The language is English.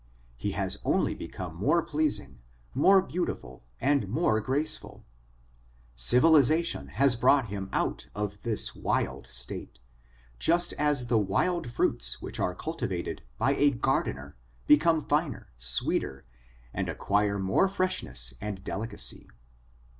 He has only become more pleasing, more beautiful, and more graceful. Civilisa tion has brought him out of his wild state, just as the wild fruits which are cultivated by a gardener become finer, sweeter, and acquire more freshness and delicacy.